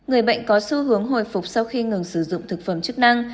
người bệnh có xu hướng hồi phục sau khi ngừng sử dụng thực phẩm chức năng